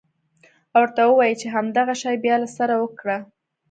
او ورته ووايې چې همدغه شى بيا له سره وکره.